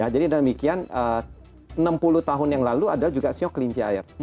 jadi dalam demikian enam puluh tahun yang lalu adalah juga siu kelinci air